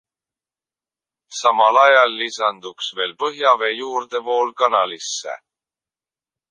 Samal ajal lisanduks veel põhjavee juurdevool kanalisse.